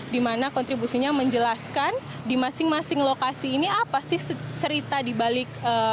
dimana kontribusinya menjelaskan di masing masing lokasi ini apa sih cerita di balik